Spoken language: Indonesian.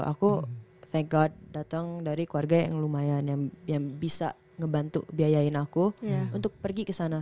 aku thank god dateng dari keluarga yang lumayan yang bisa ngebantu biayain aku untuk pergi kesana